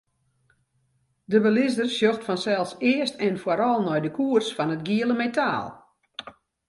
De belizzer sjocht fansels earst en foaral nei de koers fan it giele metaal.